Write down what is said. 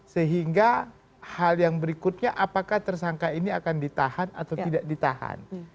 sehingga hal yang berikutnya apakah tersangka ini akan ditahan atau tidak ditahan